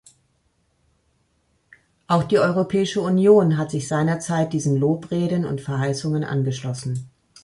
Auch die Europäische Union hat sich seinerzeit diesen Lobreden und Verheißungen angeschlossen.